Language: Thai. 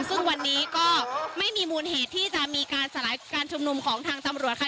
ซึ่งวันนี้ก็ไม่มีมูลเหตุที่จะมีการสลายการชุมนุมของทางตำรวจค่ะ